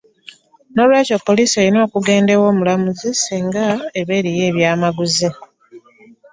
N’olwekyo poliisi erina okugenda ew’omulamuzi singa eriyo eby’amaguzi.